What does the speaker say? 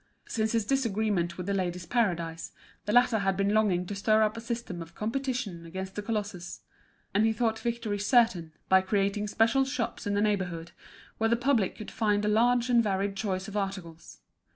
Since his disagreement with The Ladies' Paradise, the latter had been longing to stir up a system of competition against the colossus; and he thought victory certain, by creating special shops in the neighbourhood, where the public could find a large and varied choice of articles.